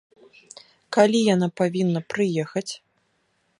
Калі яна павінна прыехаць?